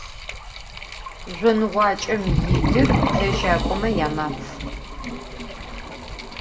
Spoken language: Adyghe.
Zjonığuaç'em yi yir – lejak'ome ya Maf.